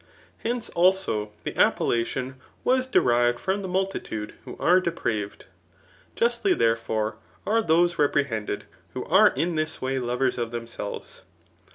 Hence, also, the appellation was derived from the multitude^ who are depraved. Justly,, therefore, are those reprehended, who are in this way lovers of themselves.